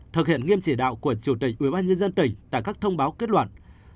thực hiện nghiêm chỉ đạo của chủ tịch ubnd tỉnh tại các thông báo kết luận